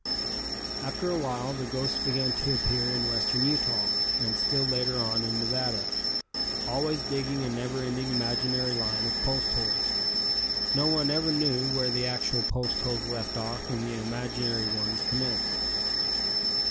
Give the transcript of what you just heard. After awhile the ghost began to appear in western Utah and still later on in Nevada, always digging a never ending imaginary line of post holes. No one never knew where the actual post holes left off and the imaginary ones commenced.